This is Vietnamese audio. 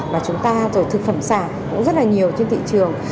và cũng rất là nhiều trên thị trường